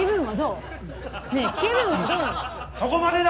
・そこまでだ